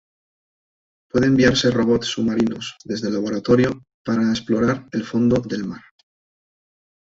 Puede enviarse robots submarinos desde el laboratorio para explorar el fondo del mar.